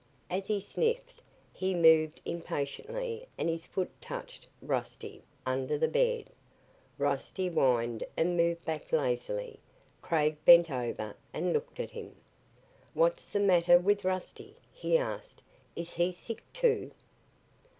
As he sniffed, he moved impatiently and his foot touched Rusty, under the bed. Rusty whined and moved back lazily. Craig bent over and looked at him. "What's the matter with Rusty?" he asked. "Is he sick, too?"